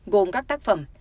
gồm các tác phẩm